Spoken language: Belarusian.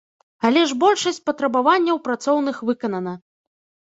Але ж большасць патрабаванняў працоўных выканана.